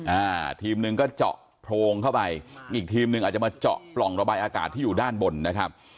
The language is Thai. อ่าทีมหนึ่งก็เจาะโพรงเข้าไปอีกทีมหนึ่งอาจจะมาเจาะปล่องระบายอากาศที่อยู่ด้านบนนะครับ